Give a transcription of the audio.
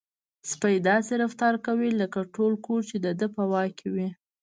سپی داسې رفتار کوي لکه ټول کور چې د ده په واک کې وي.